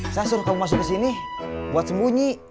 saya suruh kamu masuk ke sini buat sembunyi